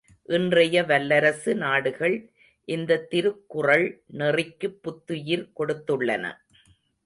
இன்றைய வல்லரசு நாடுகள் இந்தத் திருக்குறள் நெறிக்குப் புத்துயிர் கொடுத்துள்ளன.